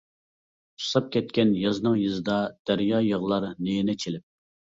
ئۇسساپ كەتكەن يازنىڭ يېزىدا، دەريا يىغلار نىيىنى چېلىپ.